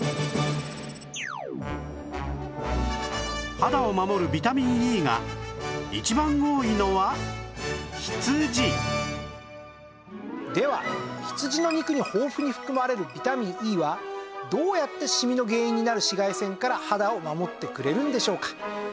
肌を守るビタミン Ｅ が一番多いのは羊では羊の肉に豊富に含まれるビタミン Ｅ はどうやってシミの原因になる紫外線から肌を守ってくれるんでしょうか？